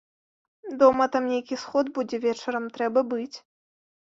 Дома там нейкі сход будзе вечарам, трэба быць.